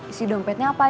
isi dompetnya apa aja